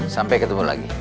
sampai ketemu lagi